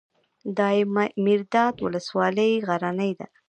دایمیرداد ولسوالۍ غرنۍ ده؟